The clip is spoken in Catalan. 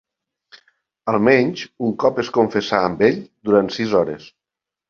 Almenys un cop es confessà amb ell durant sis hores.